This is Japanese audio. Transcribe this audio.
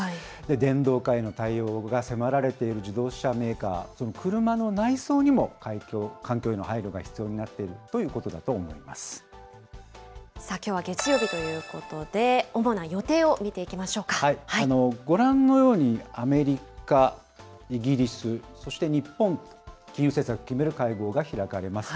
電動化への対応が迫られている自動車メーカー、その車の内装にも環境への配慮が必要になっているということだときょうは月曜日ということで、ご覧のように、アメリカ、イギリス、そして日本、金融政策を決める会合が開かれます。